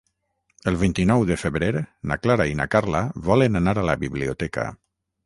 El vint-i-nou de febrer na Clara i na Carla volen anar a la biblioteca.